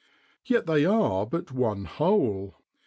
Yet they are but one whole.